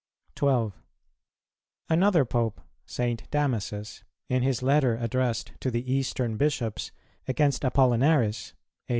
12. Another Pope, St. Damasus, in his letter addressed to the Eastern Bishops against Apollinaris (A.